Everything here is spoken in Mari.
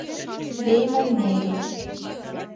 Веиймо МЕРИ